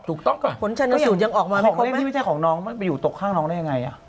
ถูกต้องก่อนของเล่นที่ไม่ใช่ของน้องมันไปอยู่ตรงข้างน้องได้ยังไง